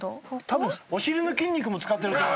たぶんお尻の筋肉も使ってると思う。